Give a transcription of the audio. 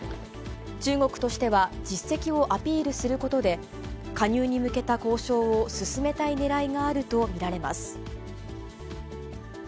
中国としては、実績をアピールすることで、加入に向けた交渉を進めたいねらいがあると見られます。